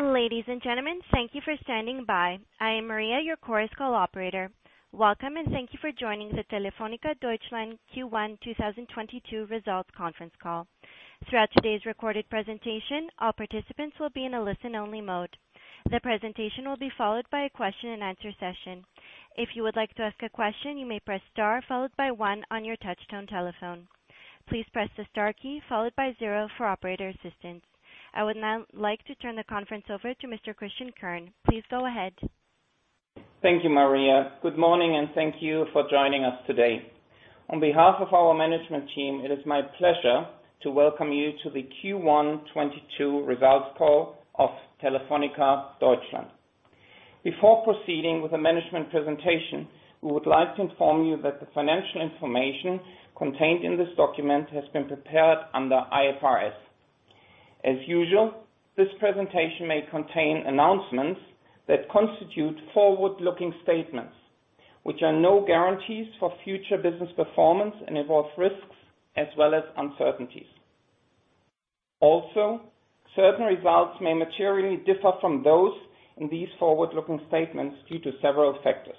Ladies and gentlemen, thank you for standing by. I am Maria, your Chorus Call operator. Welcome, and thank you for joining the Telefónica Deutschland Q1 2022 results conference call. Throughout today's recorded presentation, all participants will be in a listen-only mode. The presentation will be followed by a question-and-answer session. If you would like to ask a question, you may press star followed by one on your touchtone telephone. Please press the star key followed by zero for operator assistance. I would now like to turn the conference over to Mr. Christian Kern. Please go ahead. Thank you, Maria. Good morning, and thank you for joining us today. On behalf of our management team, it is my pleasure to welcome you to the Q1 2022 results call of Telefónica Deutschland. Before proceeding with the management presentation, we would like to inform you that the financial information contained in this document has been prepared under IFRS. As usual, this presentation may contain announcements that constitute forward-looking statements, which are no guarantees for future business performance and involve risks as well as uncertainties. Also, certain results may materially differ from those in these forward-looking statements due to several factors.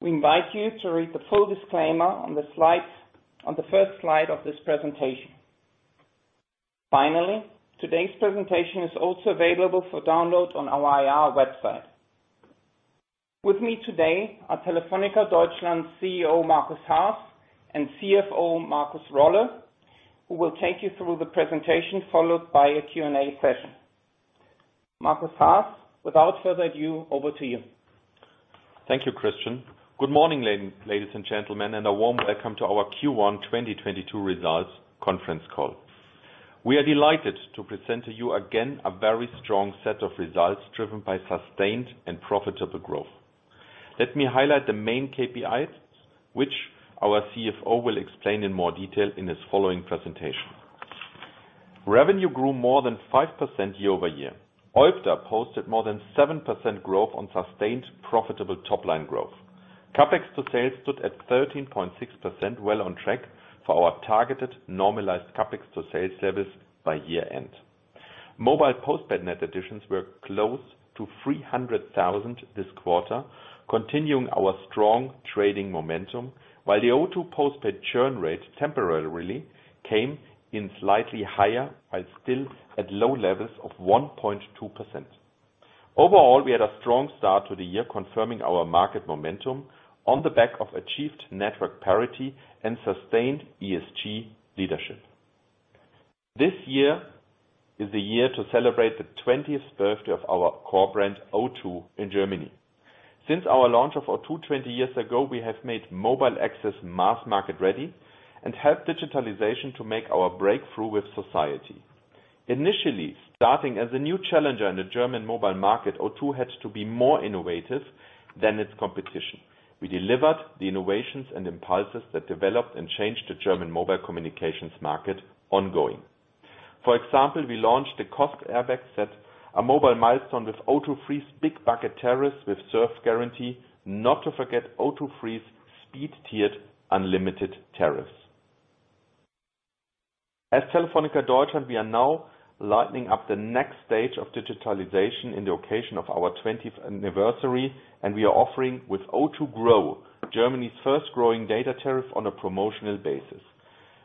We invite you to read the full disclaimer on the slides, on the first slide of this presentation. Finally, today's presentation is also available for download on our IR website. With me today are Telefónica Deutschland CEO, Markus Haas, and CFO, Markus Rolle, who will take you through the presentation followed by a Q&A session. Markus Haas, without further ado, over to you. Thank you, Christian. Good morning, ladies and gentlemen, and a warm welcome to our Q1 2022 results conference call. We are delighted to present to you again a very strong set of results driven by sustained and profitable growth. Let me highlight the main KPIs which our CFO will explain in more detail in his following presentation. Revenue grew more than 5% year-over-year. OIBDA posted more than 7% growth on sustained profitable top-line growth. CapEx to sales stood at 13.6%, well on track for our targeted normalized CapEx to sales service by year-end. Mobile postpaid net additions were close to 300,000 this quarter, continuing our strong trading momentum, while the O2 postpaid churn rate temporarily came in slightly higher while still at low levels of 1.2%. Overall, we had a strong start to the year confirming our market momentum on the back of achieved network parity and sustained ESG leadership. This year is a year to celebrate the 20th birthday of our core brand, O2, in Germany. Since our launch of O2 20 years ago, we have made mobile access mass market ready and helped digitalization to make our breakthrough with society. Initially, starting as a new challenger in the German mobile market, O2 had to be more innovative than its competition. We delivered the innovations and impulses that developed and changed the German mobile communications market ongoing. For example, we launched the Kosten-Airbag, a mobile milestone with O2 Free's big bucket tariffs with surf guarantee, not to forget O2 Free's speed-tiered unlimited tariffs. As Telefónica Deutschland, we are now lighting up the next stage of digitalization on the occasion of our 20th anniversary, and we are offering with O2 Grow, Germany's first growing data tariff on a promotional basis.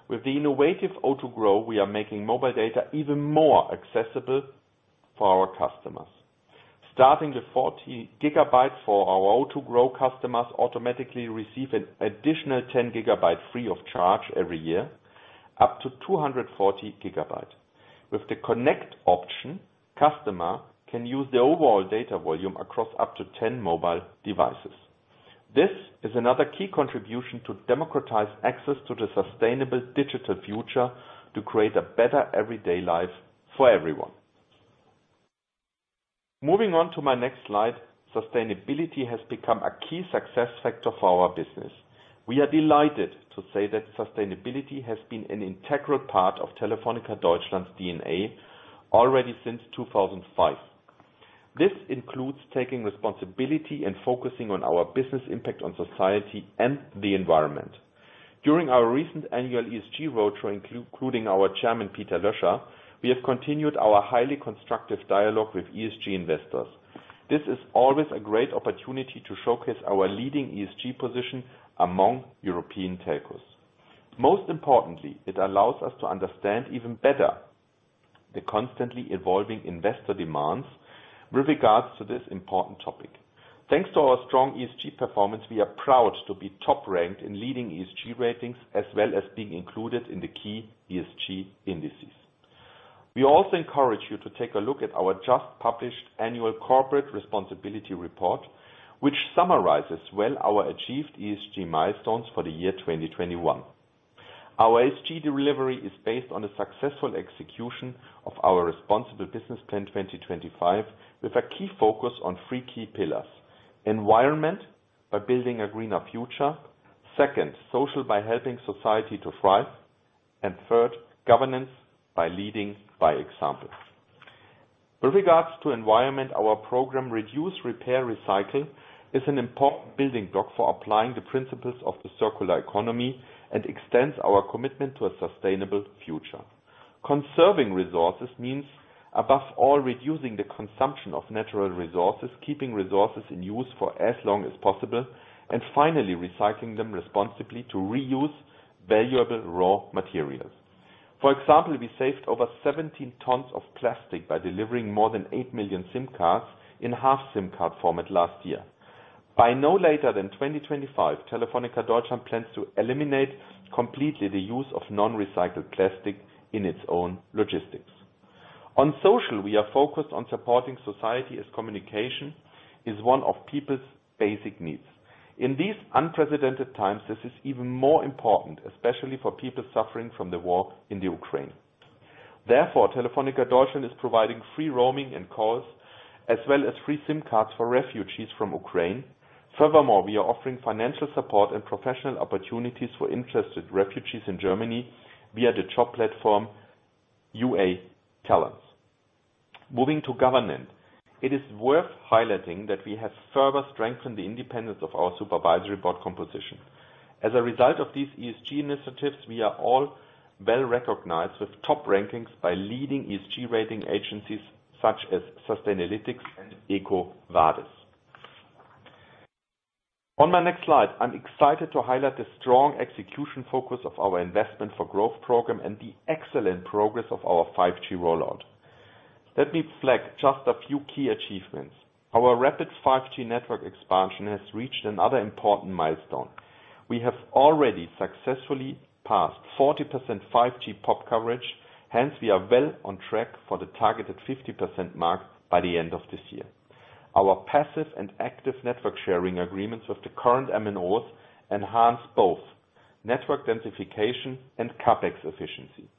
With the innovative O2 Grow, we are making mobile data even more accessible for our customers. Starting with 40 GB, our O2 Grow customers automatically receive an additional 10 GB free of charge every year, up to 240 GB. With the Connect option, customers can use the overall data volume across up to 10 mobile devices. This is another key contribution to democratize access to the sustainable digital future to create a better everyday life for everyone. Moving on to my next slide, sustainability has become a key success factor for our business. We are delighted to say that sustainability has been an integral part of Telefónica Deutschland's DNA already since 2005. This includes taking responsibility and focusing on our business impact on society and the environment. During our recent annual ESG roadshow, including our chairman, Peter Löscher, we have continued our highly constructive dialogue with ESG investors. This is always a great opportunity to showcase our leading ESG position among European telcos. Most importantly, it allows us to understand even better the constantly evolving investor demands with regards to this important topic. Thanks to our strong ESG performance, we are proud to be top-ranked in leading ESG ratings, as well as being included in the key ESG indices. We also encourage you to take a look at our just published annual corporate responsibility report, which summarizes well our achieved ESG milestones for the year 2021. Our ESG delivery is based on the successful execution of our responsible business plan 2025 with a key focus on three key pillars. Environment by building a greener future, second, social by helping society to thrive, and third, governance by leading by example. With regards to environment, our program Reduce, Repair, Recycle is an important building block for applying the principles of the circular economy and extends our commitment to a sustainable future. Conserving resources means above all, reducing the consumption of natural resources, keeping resources in use for as long as possible, and finally recycling them responsibly to reuse valuable raw materials. For example, we saved over 17 tons of plastic by delivering more than 8 million SIM cards in half SIM card format last year. By no later than 2025, Telefónica Deutschland plans to eliminate completely the use of non-recycled plastic in its own logistics. On social, we are focused on supporting society as communication is one of people's basic needs. In these unprecedented times, this is even more important, especially for people suffering from the war in the Ukraine. Therefore, Telefónica Deutschland is providing free roaming and calls, as well as free SIM cards for refugees from Ukraine. Furthermore, we are offering financial support and professional opportunities for interested refugees in Germany via the job platform UA Talents. Moving to governance. It is worth highlighting that we have further strengthened the independence of our supervisory board composition. As a result of these ESG initiatives, we are all well-recognized with top rankings by leading ESG rating agencies such as Sustainalytics and EcoVadis. On my next slide, I'm excited to highlight the strong execution focus of our investment for growth program and the excellent progress of our 5G rollout. Let me flag just a few key achievements. Our rapid 5G network expansion has reached another important milestone. We have already successfully passed 40% 5G pop coverage. Hence, we are well on track for the targeted 50% mark by the end of this year. Our passive and active network sharing agreements with the current MNOs enhance both network densification and CapEx efficiency.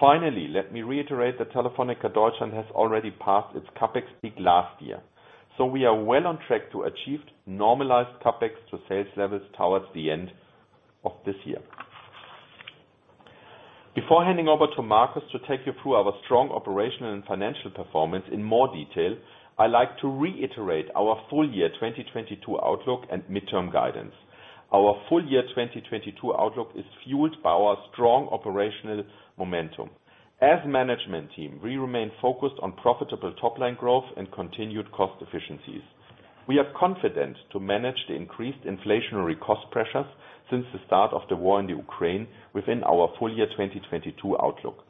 Finally, let me reiterate that Telefónica Deutschland has already passed its CapEx peak last year. We are well on track to achieve normalized CapEx to sales levels towards the end of this year. Before handing over to Markus to take you through our strong operational and financial performance in more detail, I like to reiterate our full year 2022 outlook and midterm guidance. Our full year 2022 outlook is fueled by our strong operational momentum. As management team, we remain focused on profitable top-line growth and continued cost efficiencies. We are confident to manage the increased inflationary cost pressures since the start of the war in the Ukraine within our full year 2022 outlook.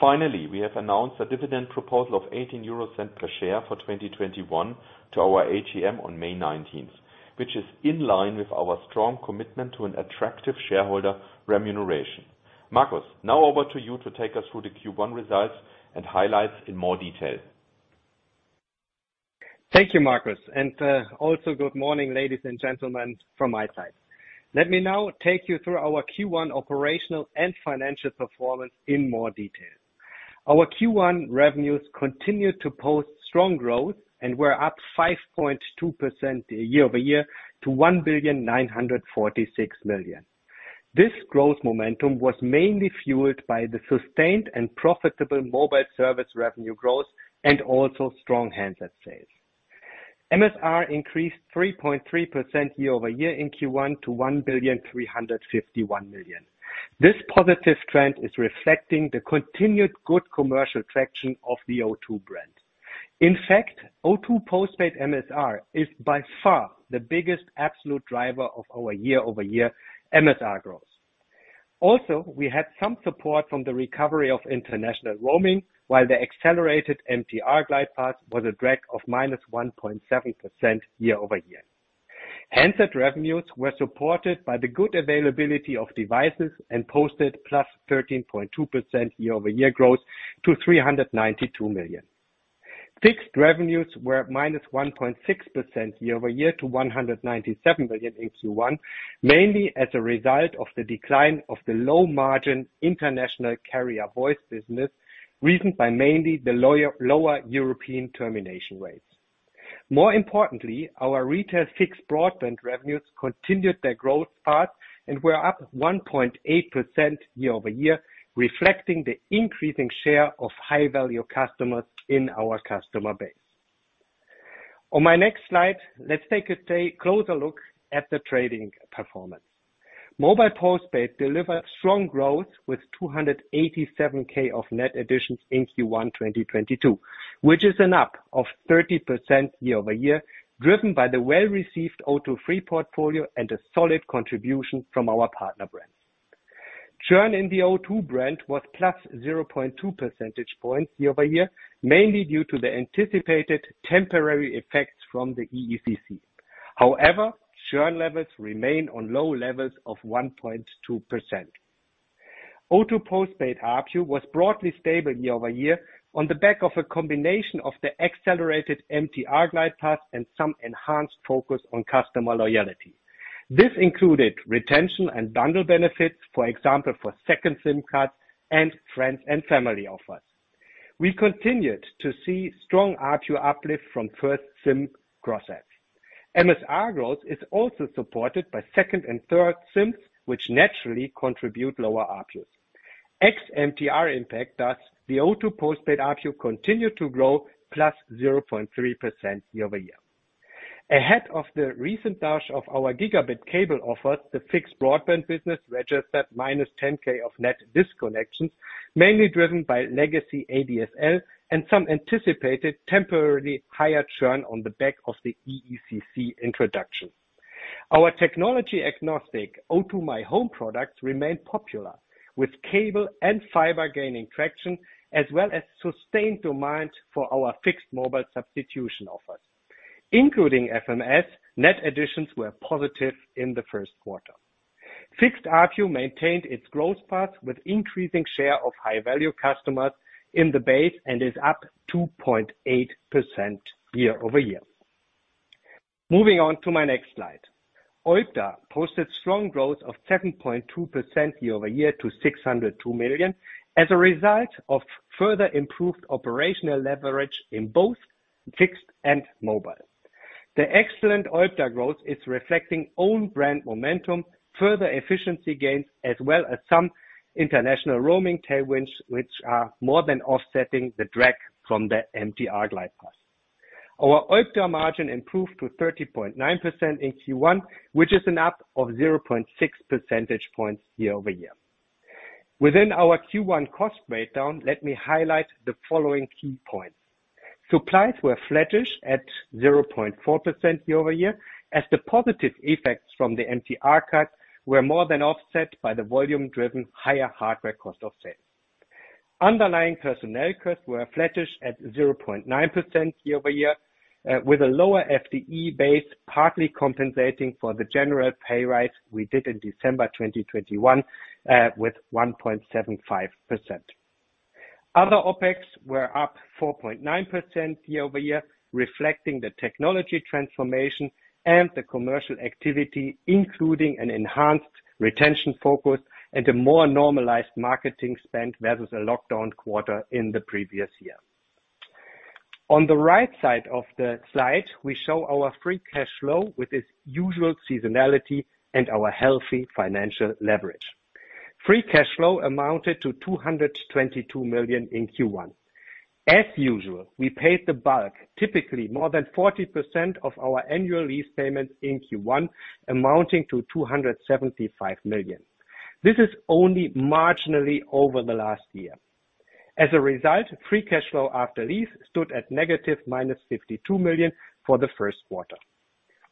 Finally, we have announced a dividend proposal of 0.18 per share for 2021 to our AGM on May 19th, which is in line with our strong commitment to an attractive shareholder remuneration. Markus, now over to you to take us through the Q1 results and highlights in more detail. Thank you, Markus. Also good morning, ladies and gentlemen, from my side. Let me now take you through our Q1 operational and financial performance in more detail. Our Q1 revenues continued to post strong growth and were up 5.2% year-over-year to 1.946 billion. This growth momentum was mainly fueled by the sustained and profitable mobile service revenue growth and also strong handset sales. MSR increased 3.3% year-over-year in Q1 to 1.351 billion. This positive trend is reflecting the continued good commercial traction of the O2 brand. In fact, O2 postpaid MSR is by far the biggest absolute driver of our year-over-year MSR growth. We had some support from the recovery of international roaming while the accelerated MTR glide path was a drag of -1.7% year-over-year. Handset revenues were supported by the good availability of devices and posted +13.2% year-over-year growth to 392 million. Fixed revenues were -1.6% year-over-year to 197 million in Q1, mainly as a result of the decline of the low margin international carrier voice business, driven by mainly the lower European termination rates. More importantly, our retail fixed broadband revenues continued their growth path and were up 1.8% year-over-year, reflecting the increasing share of high-value customers in our customer base. On my next slide, let's take a closer look at the trading performance. Mobile postpaid delivered strong growth with 287,000 of net additions in Q1 2022, which is an up of 30% year-over-year, driven by the well-received O2 Free portfolio and a solid contribution from our partner brands. Churn in the O2 brand was +0.2 percentage points year-over-year, mainly due to the anticipated temporary effects from the EECC. However, churn levels remain on low levels of 1.2%. O2 postpaid ARPU was broadly stable year-over-year on the back of a combination of the accelerated MTR glide path and some enhanced focus on customer loyalty. This included retention and bundle benefits, for example, for second SIM cards and friends and family offers. We continued to see strong ARPU uplift from first SIM cross-sell. MSR growth is also supported by second and third SIMs, which naturally contribute lower ARPUs. Ex-MTR impact, the O2 postpaid ARPU continued to grow +0.3% year-over-year. Ahead of the recent launch of our gigabit cable offers, the fixed broadband business registered -10K net disconnections, mainly driven by legacy ADSL and some anticipated temporarily higher churn on the back of the EECC introduction. Our technology-agnostic O2 my Home products remain popular with cable and fiber gaining traction as well as sustained demand for our fixed mobile substitution offers. Including FMS, net additions were positive in the first quarter. Fixed ARPU maintained its growth path with increasing share of high-value customers in the base and is up 2.8% year-over-year. Moving on to my next slide. OIBDA posted strong growth of 7.2% year-over-year to 602 million as a result of further improved operational leverage in both fixed and mobile. The excellent OIBDA growth is reflecting own brand momentum, further efficiency gains, as well as some international roaming tailwinds, which are more than offsetting the drag from the MTR glide path. Our OIBDA margin improved to 30.9% in Q1, which is an up of 0.6 percentage points year-over-year. Within our Q1 cost breakdown, let me highlight the following key points. Supplies were flattish at 0.4% year-over-year as the positive effects from the MTR cut were more than offset by the volume driven higher hardware cost of sales. Underlying personnel costs were flattish at 0.9% year-over-year, with a lower FTE base, partly compensating for the general pay rise we did in December 2021, with 1.75%. Other OpEx were up 4.9% year-over-year, reflecting the technology transformation and the commercial activity, including an enhanced retention focus and a more normalized marketing spend versus a lockdown quarter in the previous year. On the right side of the slide, we show our free cash flow with its usual seasonality and our healthy financial leverage. Free cash flow amounted to 222 million in Q1. As usual, we paid the bulk, typically more than 40% of our annual lease payments in Q1 amounting to 275 million. This is only marginally over the last year. As a result, free cash flow after lease stood at -52 million for the first quarter.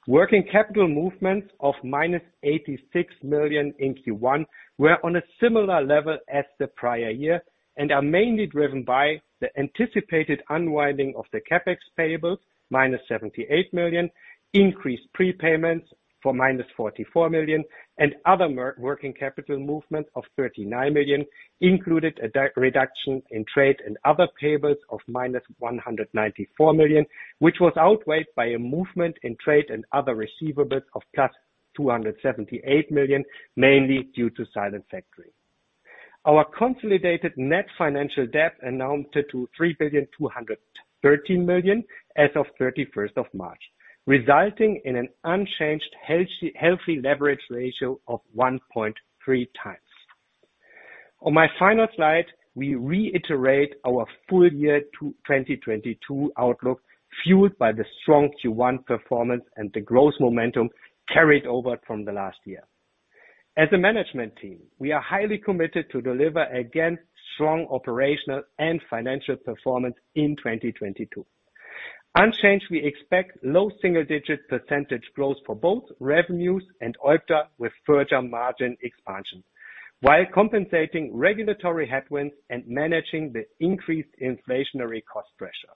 Working capital movements of -86 million in Q1 were on a similar level as the prior year and are mainly driven by the anticipated unwinding of the CapEx payables, -78 million, increased prepayments for -44 million, and other working capital movement of 39 million included a reduction in trade and other payables of -194 million, which was outweighed by a movement in trade and other receivables of +278 million, mainly due to silent factoring. Our consolidated net financial debt amounted to 3.213 billion as of March 31st, resulting in an unchanged healthy leverage ratio of 1.3x. On my final slide, we reiterate our full year 2022 outlook, fueled by the strong Q1 performance and the growth momentum carried over from the last year. As a management team, we are highly committed to deliver again strong operational and financial performance in 2022. Unchanged, we expect low single digit percentage growth for both revenues and OIBDA with further margin expansion while compensating regulatory headwinds and managing the increased inflationary cost pressure.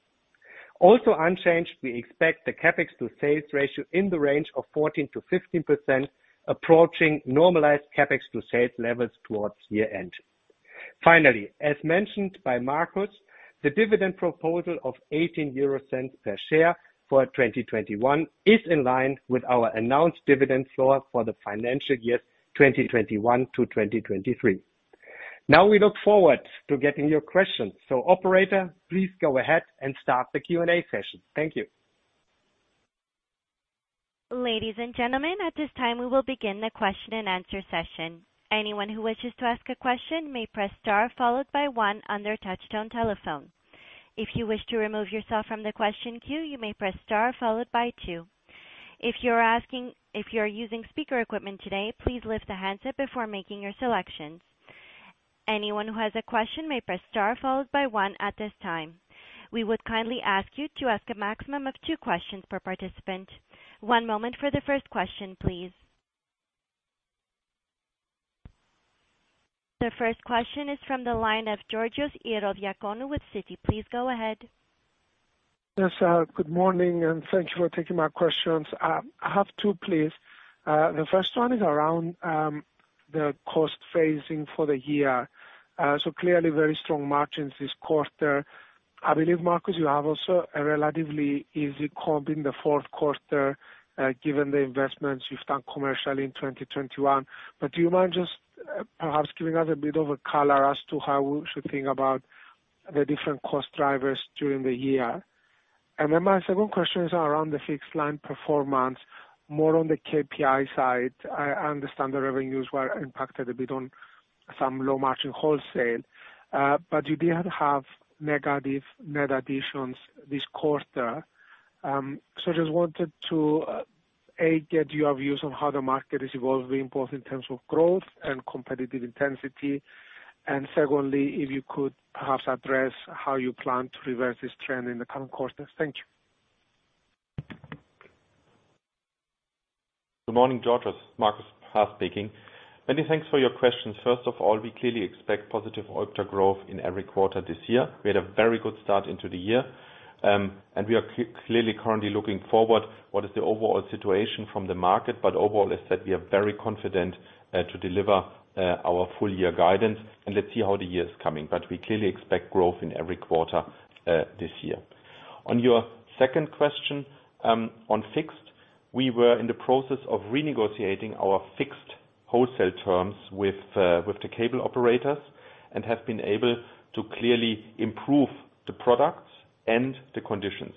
Also unchanged, we expect the CapEx to sales ratio in the range of 14%-15%, approaching normalized CapEx to sales levels towards year-end. Finally, as mentioned by Markus, the dividend proposal of 0.18 per share for 2021 is in line with our announced dividend floor for the financial year 2021 to 2023. Now we look forward to getting your questions. Operator, please go ahead and start the Q&A session. Thank you. Ladies and gentlemen, at this time we will begin the question-and-answer session. Anyone who wishes to ask a question may press star followed by one on their touch-tone telephone. If you wish to remove yourself from the question queue, you may press star followed by two. If you are using speaker equipment today, please lift the handset before making your selections. Anyone who has a question may press star followed by one at this time. We would kindly ask you to ask a maximum of two questions per participant. One moment for the first question, please. The first question is from the line of Georgios Ierodiaconou with Citi. Please go ahead. Yes, good morning, and thank you for taking my questions. I have two, please. The first one is around the cost phasing for the year. So clearly very strong margins this quarter. I believe, Markus, you have also a relatively easy comp in the fourth quarter, given the investments you've done commercially in 2021. Do you mind just perhaps giving us a bit of a color as to how we should think about the different cost drivers during the year. My second question is around the fixed line performance, more on the KPI side. I understand the revenues were impacted a bit on some low margin wholesale. You did have negative net additions this quarter. I just wanted to get your views on how the market is evolving, both in terms of growth and competitive intensity. Secondly, if you could perhaps address how you plan to reverse this trend in the coming quarters. Thank you. Good morning, Georgios Ierodiaconou. Markus Haas speaking. Many thanks for your questions. First of all, we clearly expect positive OIBDA growth in every quarter this year. We had a very good start into the year. We are clearly currently looking forward what is the overall situation from the market. Overall, as said, we are very confident to deliver our full year guidance, and let's see how the year is coming. We clearly expect growth in every quarter this year. On your second question, on fixed, we were in the process of renegotiating our fixed wholesale terms with the cable operators, and have been able to clearly improve the products and the conditions.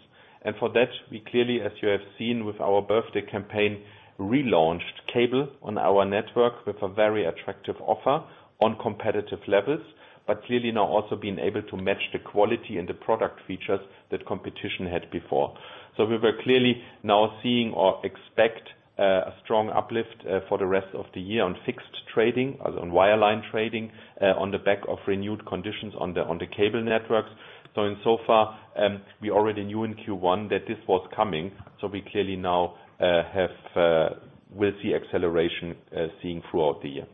For that, we clearly, as you have seen with our birthday campaign, relaunched cable on our network with a very attractive offer on competitive levels, but clearly now also been able to match the quality and the product features that competition had before. We were clearly now seeing or expect a strong uplift for the rest of the year on fixed trading, on wireline trading, on the back of renewed conditions on the cable networks. Insofar, we already knew in Q1 that this was coming, so we clearly now have with the acceleration seeing throughout the year.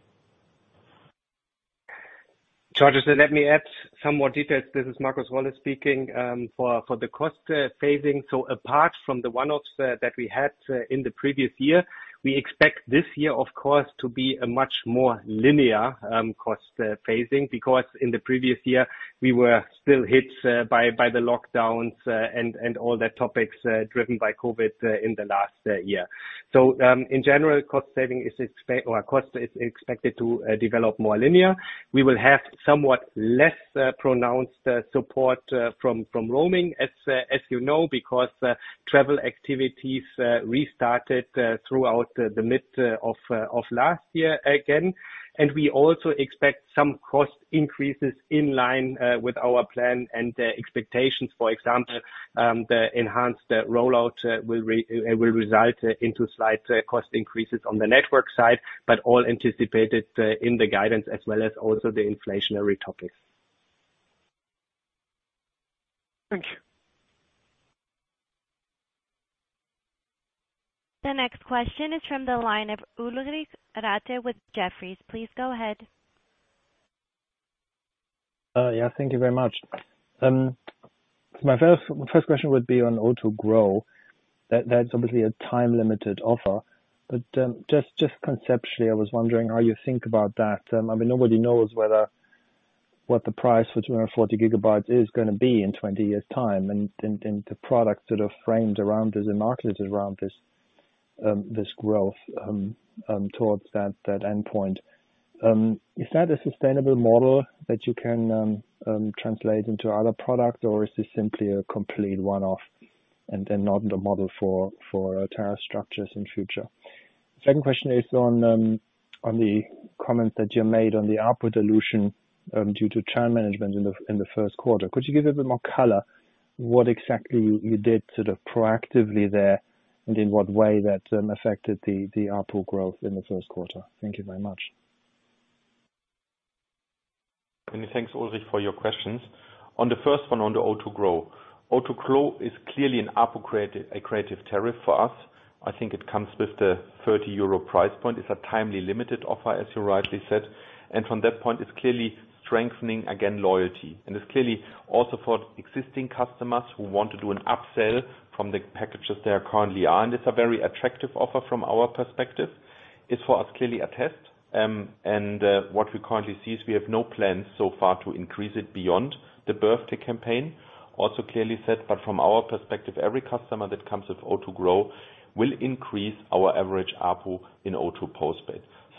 Georgios, let me add some more details. This is Markus Rolle speaking. For the cost phasing. Apart from the one-offs that we had in the previous year, we expect this year, of course, to be a much more linear cost phasing. Because in the previous year, we were still hit by the lockdowns and all the topics driven by COVID in the last year. In general, cost is expected to develop more linear. We will have somewhat less pronounced support from roaming, as you know, because travel activities restarted throughout the mid of last year again. We also expect some cost increases in line with our plan and the expectations. For example, the enhanced rollout will result into slight cost increases on the network side, but all anticipated in the guidance as well as also the inflationary topics. Thank you. The next question is from the line of Ulrich Rathe with Jefferies. Please go ahead. Yeah. Thank you very much. My first question would be on O2 Grow. That's obviously a time-limited offer. Just conceptually, I was wondering how you think about that. I mean, nobody knows whether what the price for 240 GB is gonna be in 20 years' time and the products that are framed around this and marketed around this this growth towards that endpoint. Is that a sustainable model that you can translate into other products, or is this simply a complete one-off and then not the model for tariff structures in future? Second question is on the comments that you made on the output dilution due to channel management in the first quarter. Could you give a bit more color what exactly you did sort of proactively there, and in what way that affected the output growth in the first quarter? Thank you very much. Many thanks, Ulrich, for your questions. On the first one, on the O2 Grow. O2 Grow is clearly an ARPU creative, a creative tariff for us. I think it comes with the 30 euro price point. It's a time-limited offer, as you rightly said. From that point, it's clearly strengthening, again, loyalty. It's clearly also for existing customers who want to do an upsell from the packages they are currently on. It's a very attractive offer from our perspective. It's for us, clearly a test. What we currently see is we have no plans so far to increase it beyond the birthday campaign. Also clearly said, but from our perspective, every customer that comes with O2 Grow will increase our average ARPU in O2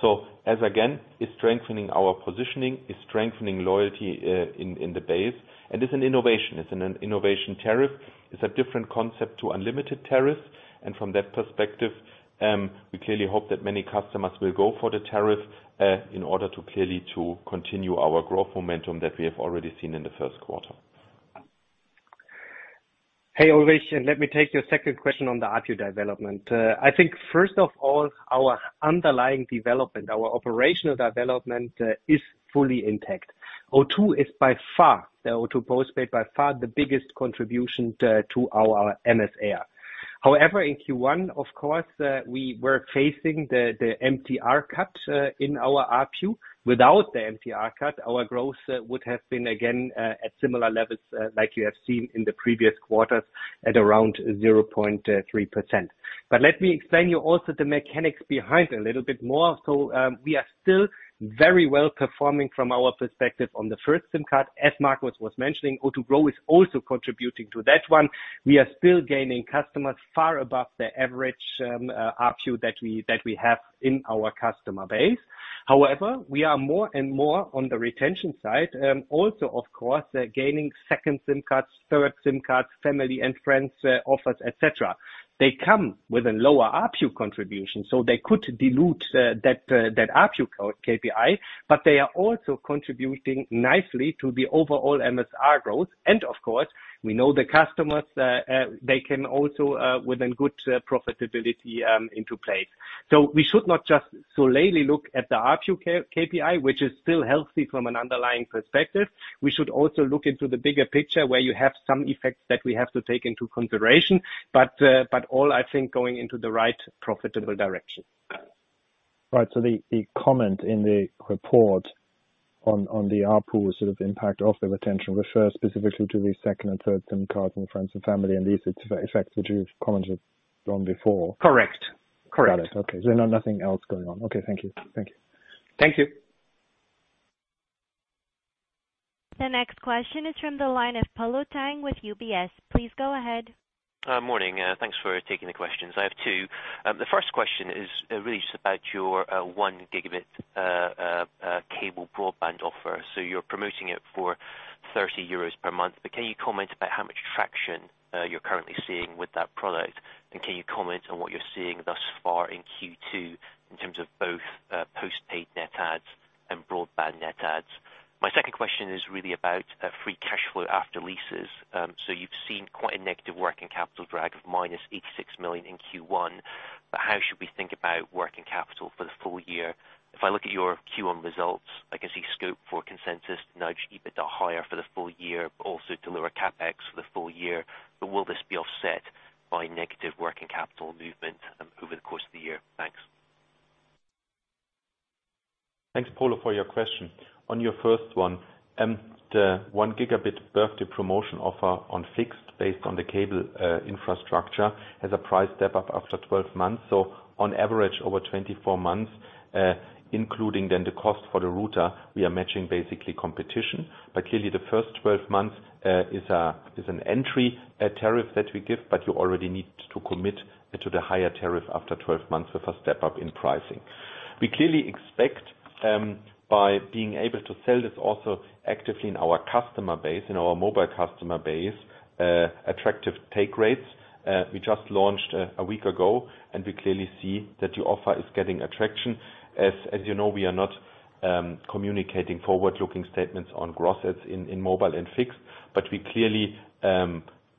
postpaid. As again, it's strengthening our positioning, it's strengthening loyalty, in the base, and it's an innovation. It's an innovation tariff. It's a different concept to unlimited tariff. From that perspective, we clearly hope that many customers will go for the tariff, in order to clearly continue our growth momentum that we have already seen in the first quarter. Hey, Ulrich, and let me take your second question on the ARPU development. I think first of all, our underlying development, our operational development, is fully intact. O2 is by far the O2 postpaid, by far the biggest contribution to our MSR. However, in Q1, we were facing the MTR cut in our ARPU. Without the MTR cut, our growth would have been again at similar levels like you have seen in the previous quarters at around 0.3%. Let me explain you also the mechanics behind a little bit more. We are still very well performing from our perspective on the first SIM card. As Markus was mentioning, O2 Grow is also contributing to that one. We are still gaining customers far above the average ARPU that we have in our customer base. However, we are more and more on the retention side. Also, of course, gaining second SIM cards, third SIM cards, family and friends offers, et cetera. They come with a lower ARPU contribution, so they could dilute that ARPU core KPI, but they are also contributing nicely to the overall MSR growth. Of course, we know the customers they can also within good profitability into play. We should not just solely look at the ARPU KPI, which is still healthy from an underlying perspective. We should also look into the bigger picture where you have some effects that we have to take into consideration. All, I think, going into the right profitable direction. Right. The comment in the report on the ARPU sort of impact of the retention refer specifically to the second and third SIM cards from friends and family, and these are the effects that you've commented on before? Correct. Got it. Okay. No, nothing else going on. Okay. Thank you. Thank you. Thank you. The next question is from the line of Polo Tang with UBS. Please go ahead. Morning. Thanks for taking the questions. I have two. The first question is really just about your 1 Gb cable broadband offer. You're promoting it for 30 euros per month. Can you comment about how much traction you're currently seeing with that product? And can you comment on what you're seeing thus far in Q2 in terms of both postpaid net adds and broadband net adds? My second question is really about free cash flow after leases. You've seen quite a negative working capital drag of -86 million in Q1. How should we think about working capital for the full year? If I look at your Q1 results, I can see scope for consensus, nudge EBITDA higher for the full year, but also deliver CapEx for the full year. Will this be offset by negative working capital movement over the course of the year? Thanks. Thanks, Paulo, for your question. On your first one, the 1 Gb birthday promotion offer on fixed based on the cable infrastructure has a price step up after 12 months. On average, over 24 months, including then the cost for the router, we are matching basically competition. Clearly, the first 12 months is an entry tariff that we give, but you already need to commit to the higher tariff after 12 months with a step-up in pricing. We clearly expect, by being able to sell this also actively in our customer base, in our mobile customer base, attractive take rates. We just launched a week ago, and we clearly see that the offer is getting traction. As you know, we are not communicating forward-looking statements on growth rates in mobile and fixed, but we clearly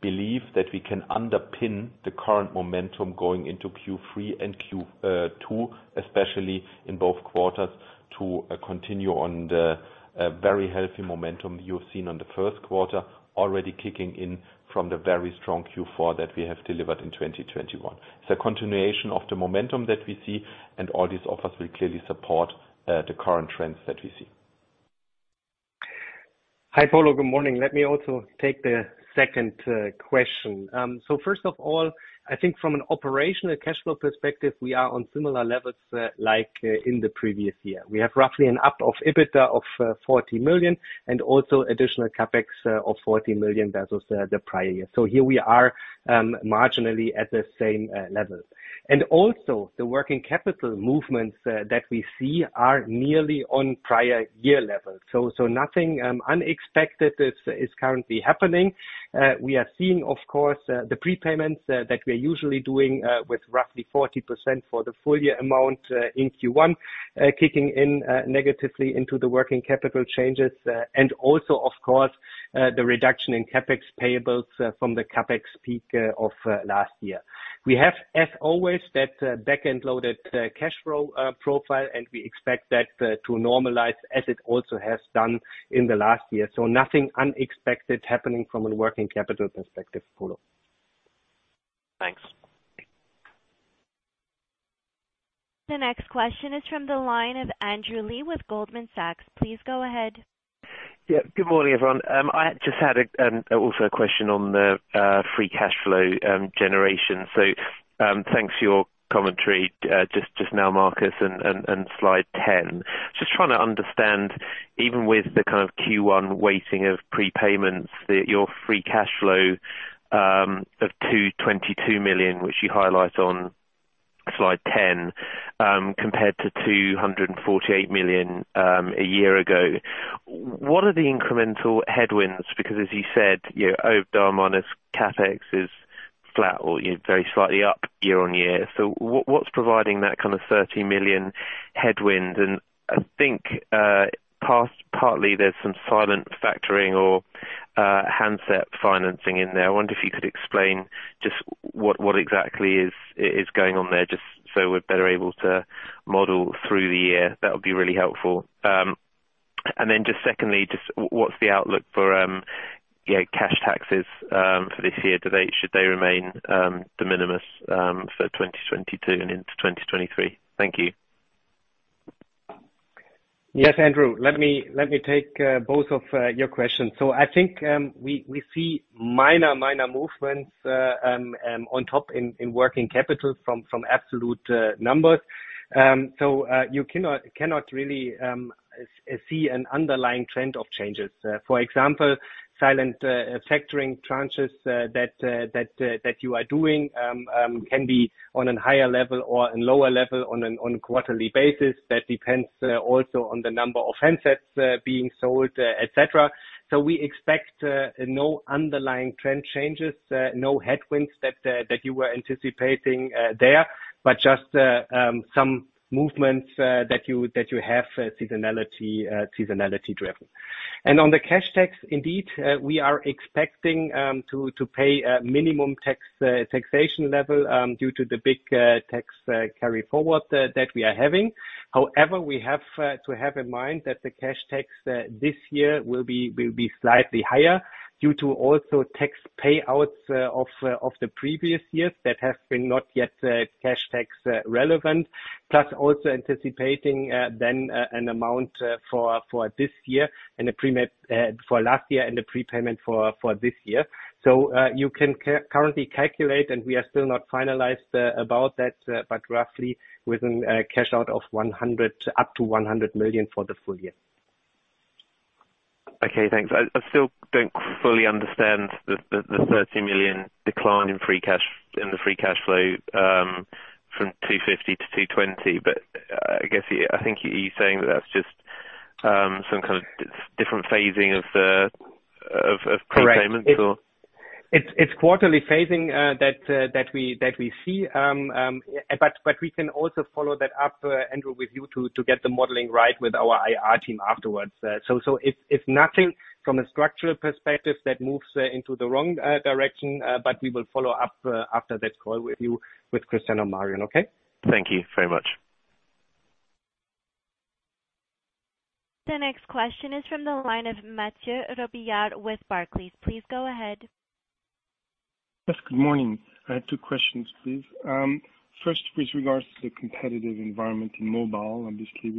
believe that we can underpin the current momentum going into Q3 and Q2, especially in both quarters to continue on the very healthy momentum you've seen on the first quarter, already kicking in from the very strong Q4 that we have delivered in 2021. It's a continuation of the momentum that we see, and all these offers will clearly support the current trends that we see. Hi, Paulo. Good morning. Let me also take the second question. First of all, I think from an operational cash flow perspective, we are on similar levels, like, in the previous year. We have roughly an up of EBITDA of 40 million and also additional CapEx of 40 million versus the prior year. Here we are marginally at the same level. The working capital movements that we see are nearly on prior year levels. Nothing unexpected is currently happening. We are seeing, of course, the prepayments that we're usually doing with roughly 40% for the full year amount in Q1 kicking in negatively into the working capital changes. Of course, the reduction in CapEx payables from the CapEx peak of last year. We have, as always, that back-end-loaded cash flow profile, and we expect that to normalize as it also has done in the last year. Nothing unexpected happening from a working capital perspective, Polo. Thanks. The next question is from the line of Andrew Lee with Goldman Sachs. Please go ahead. Good morning, everyone. I just had a question on the free cash flow generation. Thanks for your commentary just now, Markus, and slide 10. Just trying to understand, even with the kind of Q1 weighting of prepayments, your free cash flow of 222 million, which you highlight on slide 10, compared to 248 million a year ago. What are the incremental headwinds? Because as you said, you know, OIBDA minus CapEx is flat or, you know, very slightly up year-on-year. What's providing that kind of 30 million headwind? And I think partly there's some silent factoring or handset financing in there. I wonder if you could explain just what exactly is going on there, just so we're better able to model through the year. That would be really helpful. What's the outlook for cash taxes for this year? Should they remain de minimis for 2022 and into 2023? Thank you. Yes, Andrew. Let me take both of your questions. I think we see minor movements on top in working capital from absolute numbers. You cannot really see an underlying trend of changes. For example, silent factoring tranches that you are doing can be on a higher level or a lower level on a quarterly basis. That depends also on the number of handsets being sold, et cetera. We expect no underlying trend changes, no headwinds that you were anticipating there, but just some movements that you have seasonality driven. On the cash tax, indeed, we are expecting to pay a minimum taxation level due to the big tax carry forward that we are having. However, we have to have in mind that the cash tax this year will be slightly higher due to also tax payouts of the previous years that have been not yet cash tax relevant, plus also anticipating then an amount for this year and a prepayment for last year and the prepayment for this year. You can currently calculate, and we are still not finalized about that, but roughly within a cash out of up to 100 million for the full year. Okay, thanks. I still don't fully understand the 30 million decline in free cash flow from 250 million-220 million. I guess I think you're saying that's just some kind of different phasing of prepayments or? Correct. It's quarterly phasing that we see. We can also follow that up, Andrew, with you to get the modeling right with our IR team afterwards. It's nothing from a structural perspective that moves into the wrong direction. We will follow up after that call with you, with Chris and Marion. Okay? Thank you very much. The next question is from the line of Mathieu Robilliard with Barclays. Please go ahead. Yes. Good morning. I have two questions, please. First, with regards to the competitive environment in mobile, obviously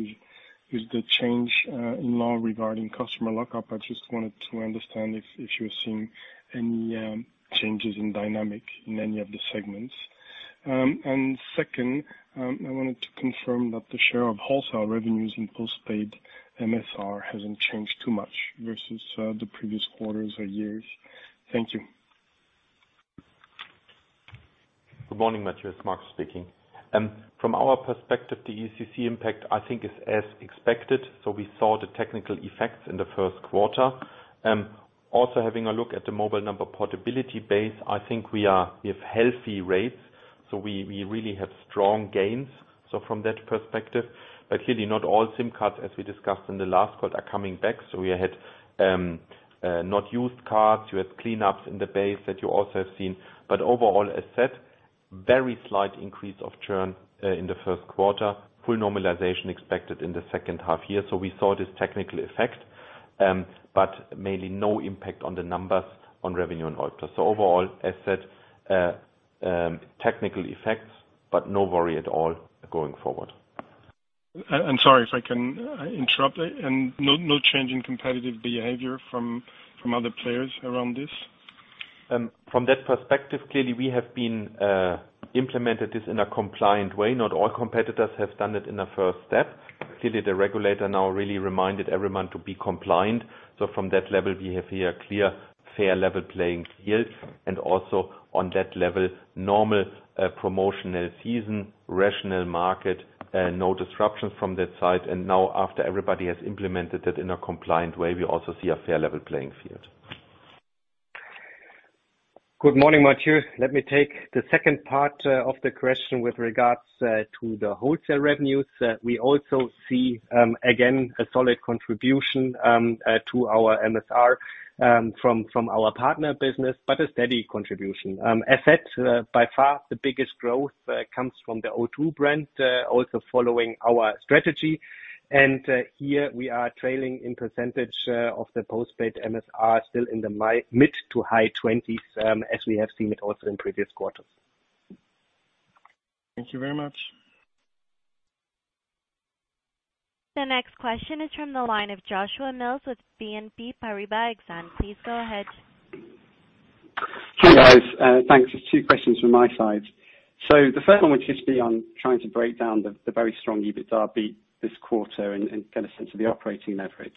with the change in law regarding customer lockup, I just wanted to understand if you're seeing any changes in dynamics in any of the segments. Second, I wanted to confirm that the share of wholesale revenues in postpaid MSR hasn't changed too much versus the previous quarters or years. Thank you. Good morning, Mathieu. It's Markus speaking. From our perspective, the EECC impact, I think is as expected. We saw the technical effects in the first quarter. Also having a look at the mobile number portability base, I think we have healthy rates, so we really have strong gains, so from that perspective. Clearly not all SIM cards, as we discussed in the last call, are coming back, so we had not used cards. We had cleanups in the base that you also have seen. Overall, as said, very slight increase of churn in the first quarter. Full normalization expected in the second half year. We saw this technical effect, but mainly no impact on the numbers on revenue and OIBDA. Overall, as said, technical effects, but no worry at all going forward. I'm sorry, if I can interrupt. No change in competitive behavior from other players around this? From that perspective, clearly we have implemented this in a compliant way. Not all competitors have done it in a first step. Clearly, the regulator now really reminded everyone to be compliant. From that level, we have here a clear, fair, level playing field. Also on that level, normal promotional season, rational market, no disruptions from that side. Now after everybody has implemented it in a compliant way, we also see a fair level playing field. Good morning, Mathieu. Let me take the second part of the question with regards to the wholesale revenues. We also see again a solid contribution to our MSR from our partner business, but a steady contribution. As said, by far the biggest growth comes from the O2 brand, also following our strategy. Here we are trailing in percentage of the postpaid MSR still in the mid- to high 20s%, as we have seen it also in previous quarters. Thank you very much. The next question is from the line of Joshua Mills with BNP Paribas Exane. Please go ahead. Hi, guys. Thanks. Just two questions from my side. The first one would just be on trying to break down the very strong EBITDA beat this quarter and get a sense of the operating leverage.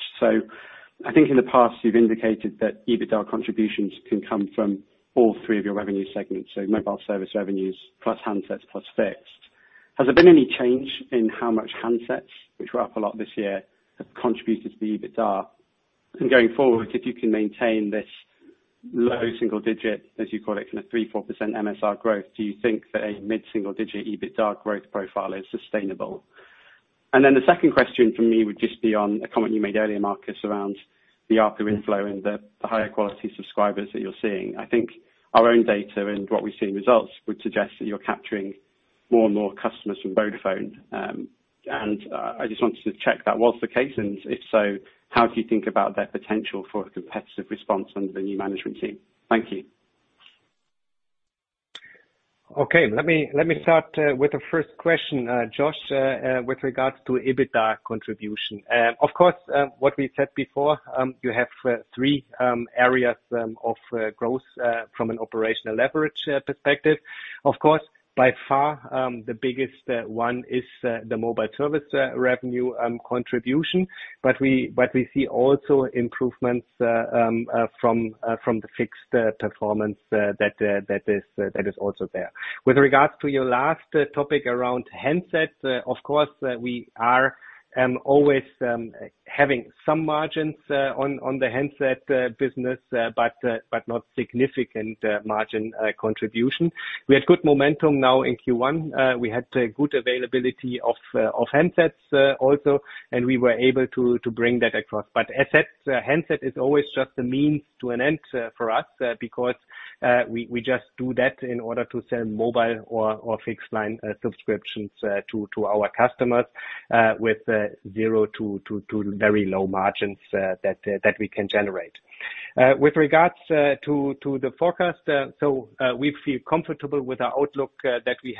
I think in the past you've indicated that EBITDA contributions can come from all three of your revenue segments, so mobile service revenues, plus handsets, plus fixed. Has there been any change in how much handsets, which were up a lot this year, have contributed to the EBITDA? And going forward, if you can maintain this low single digit, as you call it, kind of 3%-4% MSR growth, do you think that a mid-single digit EBITDA growth profile is sustainable? The second question from me would just be on a comment you made earlier, Markus, around the ARPU inflow and the higher quality subscribers that you're seeing. I think our own data and what we see in results would suggest that you're capturing more and more customers from Vodafone. I just wanted to check that was the case, and if so, how do you think about their potential for a competitive response under the new management team? Thank you. Okay. Let me start with the first question, Josh, with regards to EBITDA contribution. Of course, what we said before, you have three areas of growth from an operational leverage perspective. Of course, by far, the biggest one is the mobile service revenue contribution. We see also improvements from the fixed performance that is also there. With regards to your last topic around handsets, of course, we are always having some margins on the handset business, but not significant margin contribution. We have good momentum now in Q1. We had good availability of handsets also, and we were able to bring that across. But as said, handset is always just a means to an end for us because we just do that in order to sell mobile or fixed line subscriptions to our customers with zero to very low margins that we can generate. With regards to the forecast, we feel comfortable with our outlook that we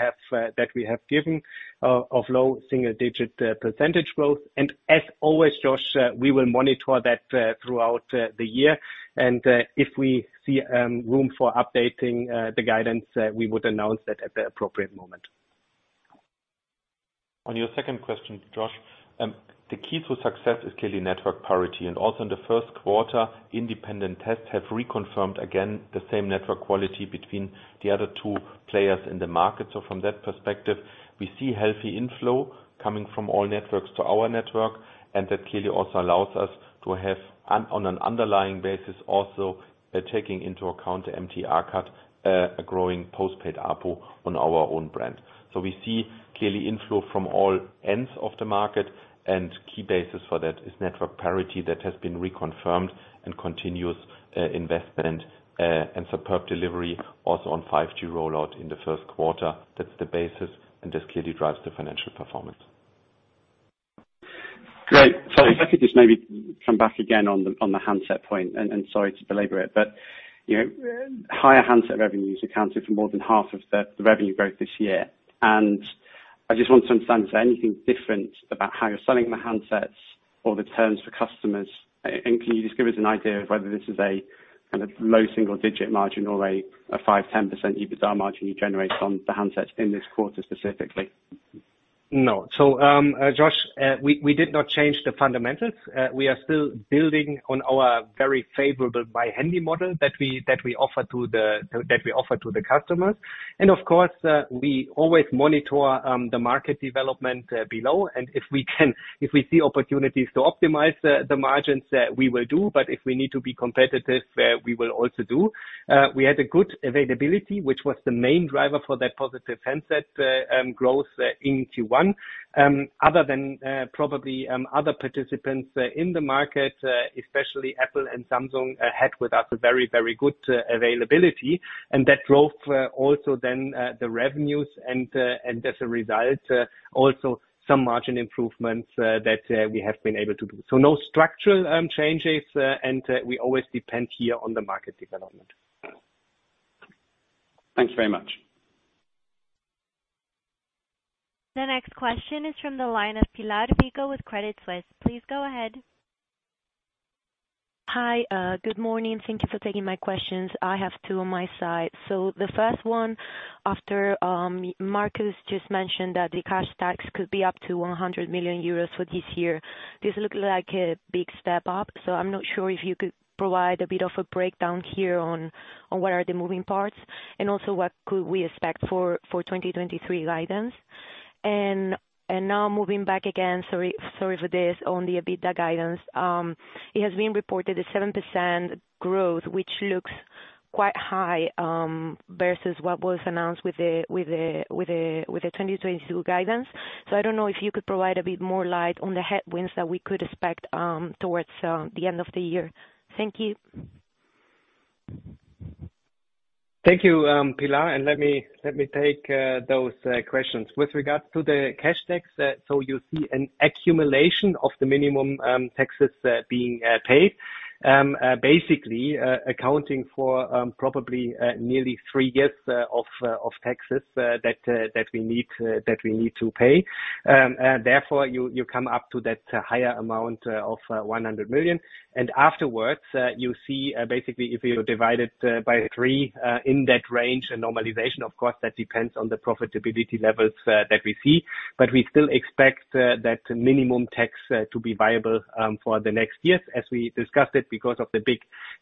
have given of low single-digit percentage growth. As always, Josh, we will monitor that throughout the year, and if we see room for updating the guidance, we would announce that at the appropriate moment. On your second question, Josh, the key to success is clearly network parity. In the first quarter, independent tests have reconfirmed again the same network quality between the other two players in the market. From that perspective, we see healthy inflow coming from all networks to our network. That clearly also allows us to have on an underlying basis also, taking into account the MTR cut, a growing postpaid ARPU on our own brand. We see clearly inflow from all ends of the market and key basis for that is network parity that has been reconfirmed and continuous, investment, and superb delivery also on 5G rollout in the first quarter. That's the basis, this clearly drives the financial performance. Great. Sorry, if I could just maybe come back again on the handset point and sorry to belabor it, but you know, higher handset revenues accounted for more than half of the revenue growth this year. I just want to understand, is there anything different about how you're selling the handsets or the terms for customers? Can you just give us an idea of whether this is a kind of low single digit margin or a 5%-10% EBITDA margin you generate on the handsets in this quarter specifically? No. Josh, we did not change the fundamentals. We are still building on our very favorable My Handy model that we offer to the customers. Of course, we always monitor the market development below. If we see opportunities to optimize the margins, we will do. If we need to be competitive, we will also do. We had a good availability, which was the main driver for that positive handset growth in Q1. Other than probably other participants in the market, especially Apple and Samsung, had with us a very, very good availability. That drove also then the revenues and as a result also some margin improvements that we have been able to do. No structural changes and we always depend here on the market development. Thanks very much. The next question is from the line of Pilar Vico with Credit Suisse. Please go ahead. Hi, good morning. Thank you for taking my questions. I have two on my side. The first one, after Markus just mentioned that the cash tax could be up to 100 million euros for this year. This looks like a big step up, so I'm not sure if you could provide a bit of a breakdown here on what are the moving parts, and also what could we expect for 2023 guidance. Now moving back again, sorry for this, on the EBITDA guidance. It has been reported a 7% growth, which looks quite high, versus what was announced with the 2022 guidance. I don't know if you could provide a bit more light on the headwinds that we could expect towards the end of the year. Thank you. Thank you, Pilar, and let me take those questions. With regards to the cash tax, so you see an accumulation of the minimum taxes being paid. Basically, accounting for probably nearly three years of taxes that we need to pay. Therefore you come up to that higher amount of 100 million. Afterwards, you see basically if you divide it by 3, in that range, a normalization, of course, that depends on the profitability levels that we see. We still expect that minimum tax to be viable for the next years as we discussed it, because of the big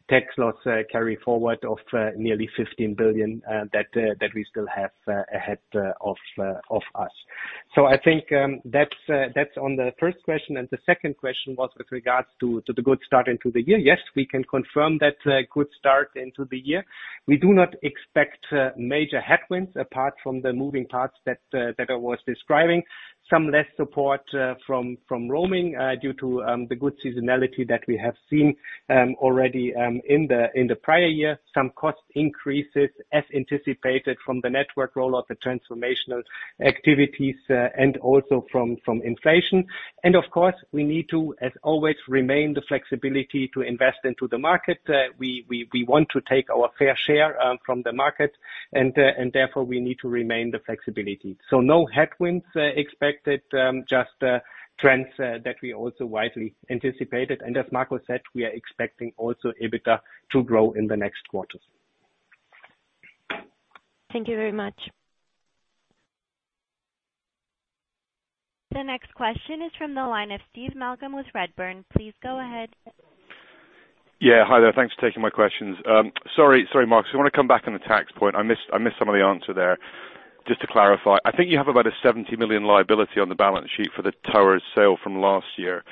tax loss carry forward of nearly 15 billion that we still have ahead of us. I think that's on the first question, and the second question was with regards to the good start into the year. Yes, we can confirm that good start into the year. We do not expect major headwinds apart from the moving parts that I was describing. Some less support from roaming due to the good seasonality that we have seen already in the prior year. Some cost increases as anticipated from the network roll out, the transformational activities, and also from inflation. Of course, we need to as always remain the flexibility to invest into the market. We want to take our fair share from the market and therefore we need to remain the flexibility. No headwinds expected, just trends that we also widely anticipated. As Markus said, we are expecting also EBITDA to grow in the next quarters. Thank you very much. The next question is from the line of Steve Malcolm with Redburn. Please go ahead. Yeah. Hi there. Thanks for taking my questions. Sorry, Markus Rolle. I wanna come back on the tax point. I missed some of the answer there. Just to clarify, I think you have about a 70 million liability on the balance sheet for the towers sale from last year.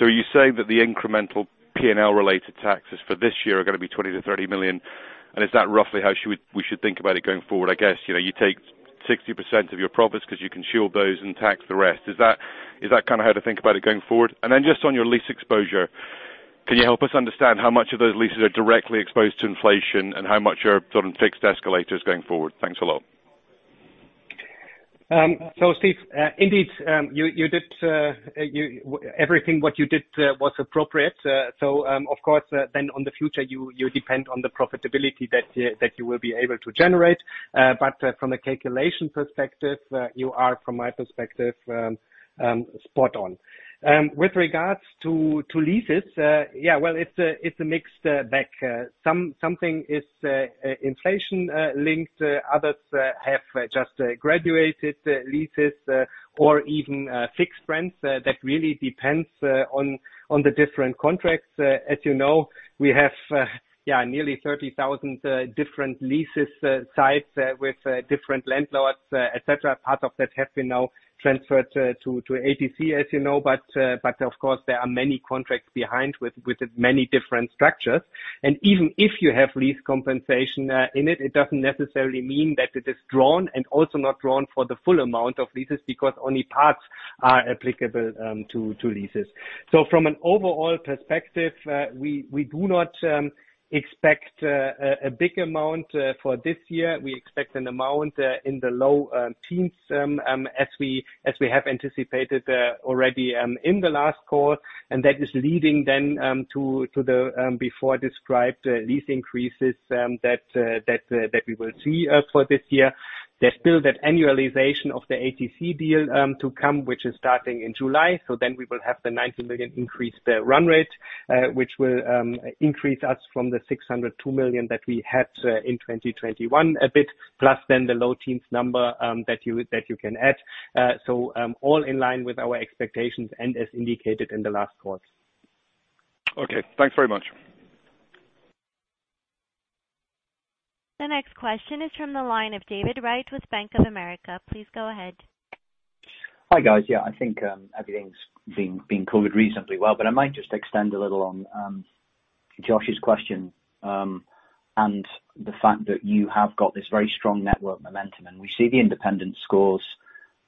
Are you saying that the incremental P&L related taxes for this year are gonna be 20 million-30 million? And is that roughly how we should think about it going forward, I guess? You know, you take 60% of your profits 'cause you can shield those and tax the rest. Is that kinda how to think about it going forward? Just on your lease exposure, can you help us understand how much of those leases are directly exposed to inflation and how much are sort of fixed escalators going forward? Thanks a lot. Steve, indeed, you did everything what you did was appropriate. Of course, then on the future you depend on the profitability that you will be able to generate. From a calculation perspective, you are from my perspective spot on. With regards to leases, yeah, well, it's a mixed bag. Something is inflation linked. Others have just graduated leases or even fixed rents. That really depends on the different contracts. As you know, we have yeah, nearly 30,000 different leases sites with different landlords, et cetera. Part of that have been now transferred to ATC as you know, but of course there are many contracts behind with many different structures. Even if you have lease compensation in it doesn't necessarily mean that it is drawn and also not drawn for the full amount of leases because only parts are applicable to leases. From an overall perspective, we do not expect a big amount for this year. We expect an amount in the low teens as we have anticipated already in the last call. That is leading then to the before described lease increases that we will see for this year. There's still that annualization of the ATC deal to come, which is starting in July. We will have the 90 million increase run rate, which will increase us from the 602 million that we had in 2021 a bit, plus then the low teens number that you can add. All in line with our expectations and as indicated in the last quarter. Okay. Thanks very much. The next question is from the line of David Wright with Bank of America. Please go ahead. Hi, guys. Yeah, I think everything's been covered reasonably well, but I might just extend a little on Josh's question, and the fact that you have got this very strong network momentum. We see the independent scores,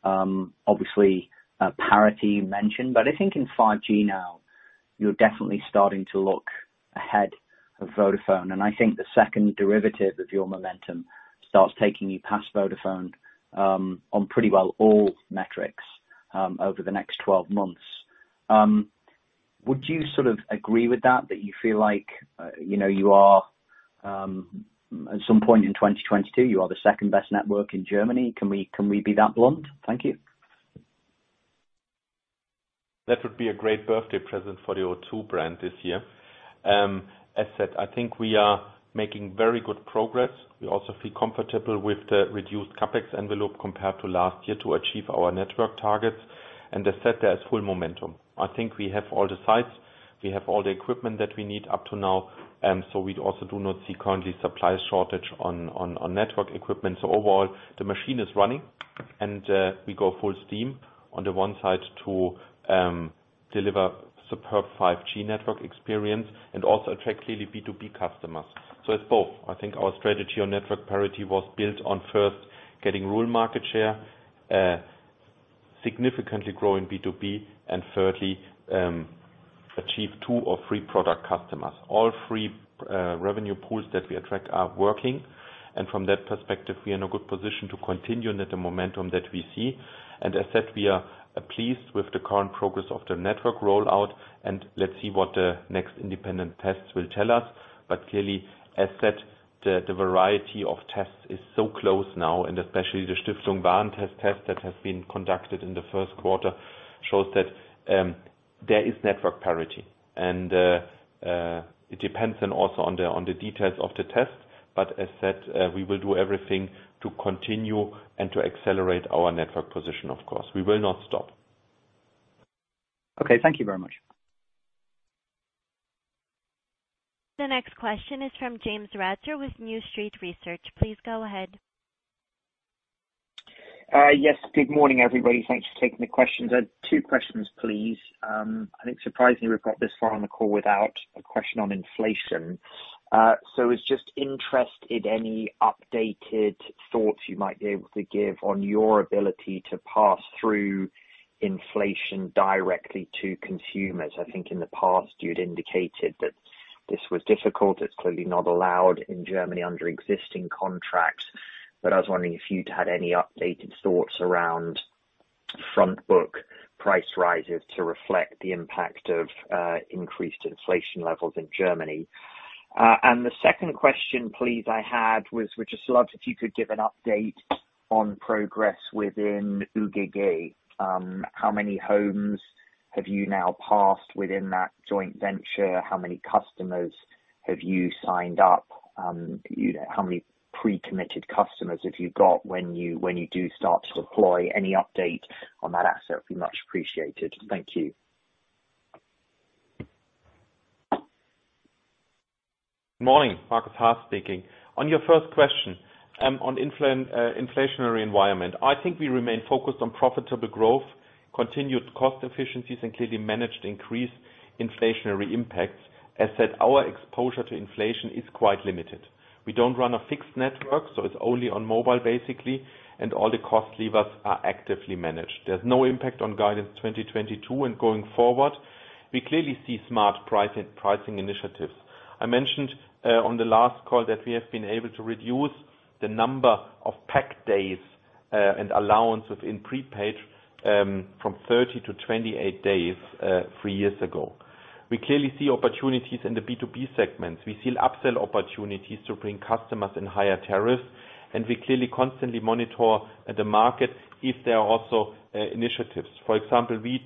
obviously, parity mentioned. I think in 5G now, you're definitely starting to look ahead of Vodafone, and I think the second derivative of your momentum starts taking you past Vodafone, on pretty well all metrics, over the next 12 months. Would you sort of agree with that you feel like, you know, you are, at some point in 2022, you are the second-best network in Germany? Can we be that blunt? Thank you. That would be a great birthday present for the O2 brand this year. As said, I think we are making very good progress. We also feel comfortable with the reduced CapEx envelope compared to last year to achieve our network targets and set full momentum. I think we have all the sites, we have all the equipment that we need up to now, so we also do not currently see supply shortage on network equipment. Overall, the machine is running and we go full steam on the one side to deliver superb 5G network experience and also attract clearly B2B customers. It's both. I think our strategy on network parity was built on first getting rural market share, significantly growing B2B, and thirdly, achieve two or three product customers. All three revenue pools that we attract are working, and from that perspective, we are in a good position to continue at the momentum that we see. As said, we are pleased with the current progress of the network rollout, and let's see what the next independent tests will tell us. Clearly, as said, the variety of tests is so close now, and especially the Stiftung Warentest test that has been conducted in the first quarter shows that there is network parity. It depends also on the details of the test. As said, we will do everything to continue and to accelerate our network position, of course. We will not stop. Okay. Thank you very much. The next question is from James Ratzer with New Street Research. Please go ahead. Yes. Good morning, everybody. Thanks for taking the questions. I have two questions, please. I think surprisingly, we've got this far on the call without a question on inflation. I was just interested, any updated thoughts you might be able to give on your ability to pass through inflation directly to consumers. I think in the past you'd indicated that this was difficult. It's clearly not allowed in Germany under existing contracts. I was wondering if you'd had any updated thoughts around front book price rises to reflect the impact of increased inflation levels in Germany. The second question, please, I had was, if you could give an update on progress within UGG. How many homes have you now passed within that joint venture? How many customers have you signed up? You know, how many pre-committed customers have you got when you do start to deploy? Any update on that asset would be much appreciated. Thank you. Morning. Markus Haas speaking. On your first question, on inflationary environment. I think we remain focused on profitable growth, continued cost efficiencies, and clearly managed increased inflationary impacts. As said, our exposure to inflation is quite limited. We don't run a fixed network, so it's only on mobile basically, and all the cost levers are actively managed. There's no impact on guidance 2022 and going forward. We clearly see smart pricing initiatives. I mentioned on the last call that we have been able to reduce the number of pack days and allowance within prepaid from 30 days to 28 days three years ago. We clearly see opportunities in the B2B segments. We see upsell opportunities to bring customers in higher tariffs, and we clearly constantly monitor the market if there are also initiatives. For example, we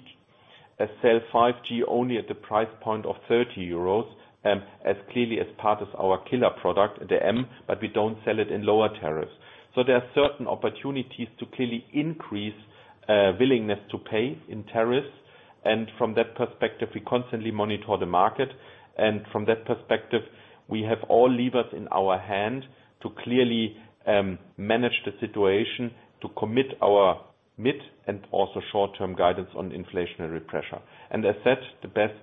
sell 5G only at the price point of 30 euros, as clearly as part of our killer product, the M, but we don't sell it in lower tariffs. There are certain opportunities to clearly increase willingness to pay in tariffs. From that perspective, we constantly monitor the market. From that perspective, we have all levers in our hand to clearly manage the situation, to commit our mid and also short-term guidance on inflationary pressure. As said, the best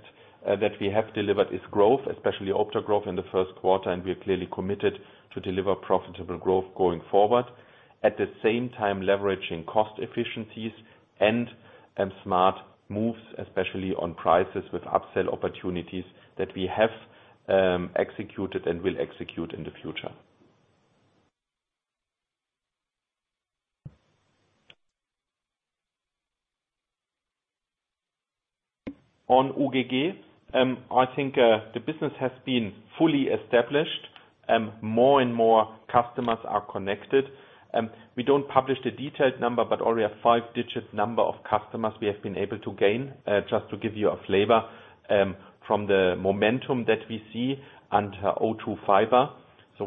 that we have delivered is growth, especially O2 growth in the first quarter, and we are clearly committed to deliver profitable growth going forward. At the same time, leveraging cost efficiencies and smart moves, especially on prices with upsell opportunities that we have executed and will execute in the future. On UGG. I think the business has been fully established. More and more customers are connected. We don't publish the detailed number, but already a five-digit number of customers we have been able to gain, just to give you a flavor, from the momentum that we see under O2 Fiber.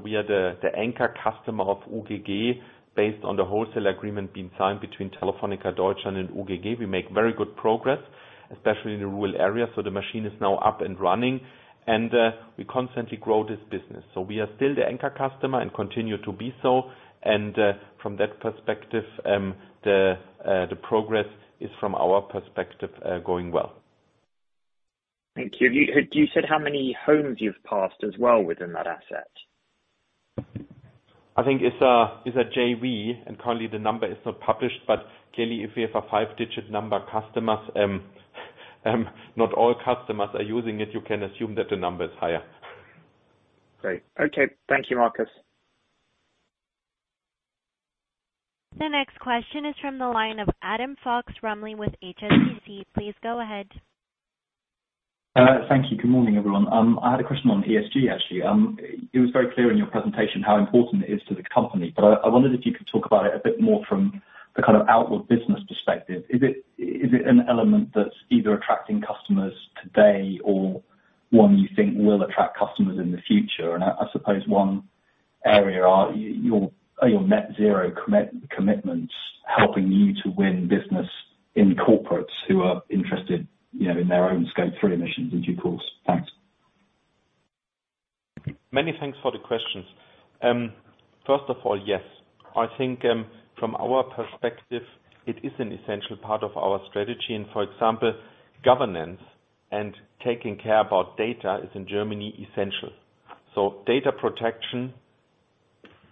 We are the anchor customer of UGG based on the wholesale agreement being signed between Telefónica Deutschland and UGG. We make very good progress, especially in the rural areas. The machine is now up and running, and we constantly grow this business. We are still the anchor customer and continue to be so. From that perspective, the progress is from our perspective, going well. Thank you. Did you say how many homes you've passed as well within that asset? I think it's a JV, and currently the number is not published. Clearly, if we have a five-digit number of customers, not all customers are using it, you can assume that the number is higher. Great. Okay. Thank you, Markus. The next question is from the line of Adam Fox-Rumley with HSBC. Please go ahead. Thank you. Good morning, everyone. I had a question on ESG, actually. It was very clear in your presentation how important it is to the company, but I wondered if you could talk about it a bit more from the kind of outward business perspective. Is it an element that's either attracting customers today or one you think will attract customers in the future? I suppose one area, are your net zero commitments helping you to win business in corporates who are interested, you know, in their own scope three emissions in due course? Thanks. Many thanks for the questions. First of all, yes. I think, from our perspective, it is an essential part of our strategy. For example, governance and taking care about data is in Germany essential. Data protection,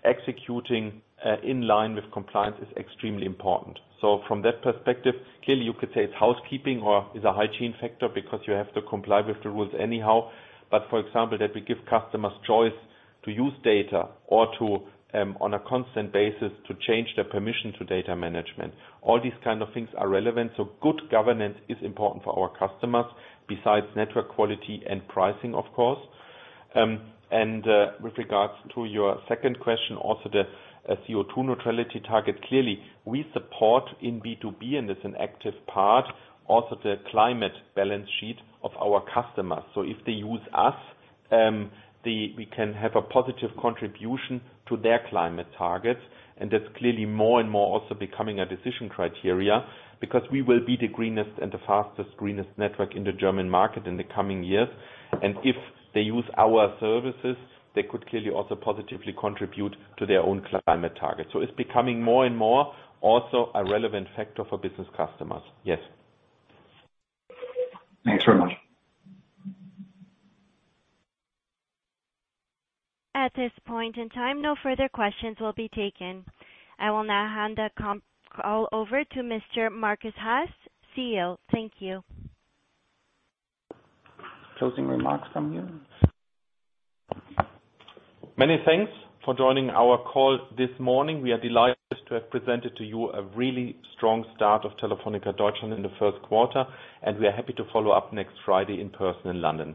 executing, in line with compliance is extremely important. From that perspective, clearly you could say it's housekeeping or is a hygiene factor because you have to comply with the rules anyhow. For example, that we give customers choice to use data or to, on a constant basis, to change their permission to data management. All these kind of things are relevant. Good governance is important for our customers, besides network quality and pricing of course. With regards to your second question, also the CO2 neutrality target. Clearly, we support in B2B, and it's an active part, also the climate balance sheet of our customers. If they use us, we can have a positive contribution to their climate targets. That's clearly more and more also becoming a decision criteria because we will be the greenest and the fastest greenest network in the German market in the coming years. If they use our services, they could clearly also positively contribute to their own climate target. It's becoming more and more also a relevant factor for business customers. Yes. Thanks very much. At this point in time, no further questions will be taken. I will now hand the call over to Mr. Markus Haas, CEO. Thank you. Closing remarks from you. Many thanks for joining our call this morning. We are delighted to have presented to you a really strong start of Telefónica Deutschland in the first quarter, and we are happy to follow up next Friday in person in London.